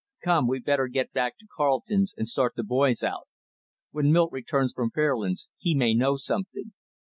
Come, we better get back to Carleton's, and start the boys out. When Milt returns from Fairlands he may know something."